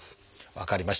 分かりました。